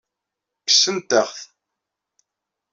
Kksent-aɣ-t.